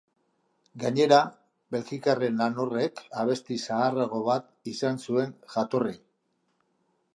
Gainera, belgikarren lan horrek abesti zaharrago bat izan zuen jatorri.